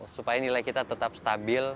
supaya nilai kita tetap stabil